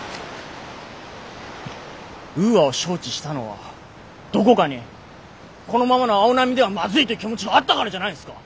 ウーアを招致したのはどこかにこのままの青波ではまずいという気持ちがあったからじゃないんですか。